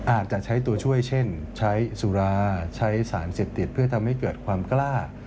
อาจจะใช้ตัวช่วยเช่นใช้สุราใช้สารเสพติดเพื่อทำให้เกิดความกล้า